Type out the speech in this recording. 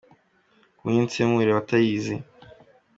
Ngumye nsemurire abatayizi.